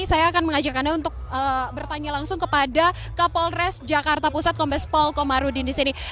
saya akan mengajak anda untuk bertanya langsung kepada kapolres jakarta pusat kombes pol komarudin di sini